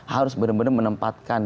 harus benar benar menempatkan